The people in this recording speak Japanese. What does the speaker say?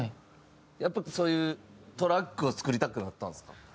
やっぱりそういうトラックを作りたくなったんですか？